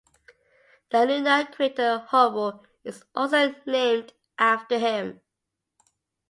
The lunar crater "Hubble" is also named after him.